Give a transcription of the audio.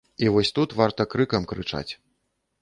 І вось тут варта крыкам крычаць.